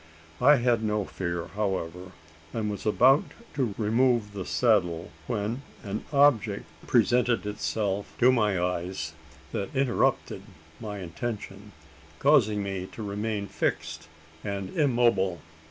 I had no fear, however; and was about to remove the saddle, when an object presented itself to my eyes that interrupted my intention causing me to remain fixed and immobile.